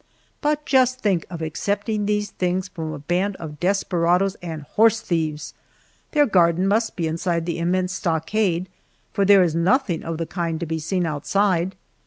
But just think of accepting these things from a band of desperadoes and horse thieves! Their garden must be inside the immense stockade, for there is nothing of the kind to be seen outside.